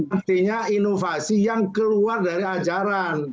artinya inovasi yang keluar dari ajaran